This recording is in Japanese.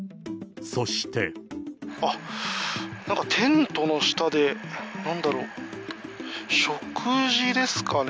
あっ、なんかテントの下で、なんだろう、食事ですかね。